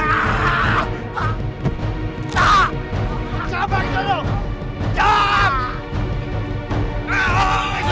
sampai jumpa di video selanjutnya